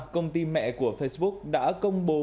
công ty mẹ của facebook đã công bố